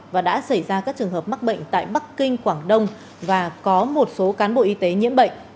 và đã xảy ra các trường hợp mắc bệnh tại bắc kinh quảng đông và có một số cán bộ y tế nhiễm bệnh